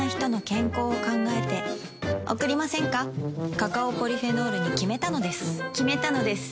カカオポリフェノールに決めたのです決めたのです。